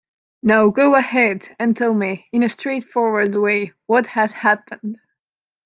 Now go ahead and tell me in a straightforward way what has happened.